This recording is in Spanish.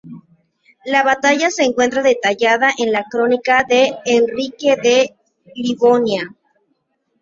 La batalla se encuentra detallada en la crónica de Enrique de Livonia.